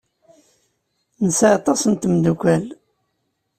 Nesɛa aṭas n tmeddukal.